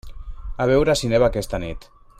A veure si neva aquesta nit.